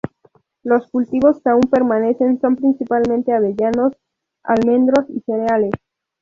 Los cultivos que aún permanecen son principalmente avellanos, almendros y cereales.